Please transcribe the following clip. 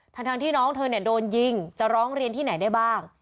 ทั้งที่น้องเธอโดนยิงจะร้องเรียนที่ไหนได้บ้าง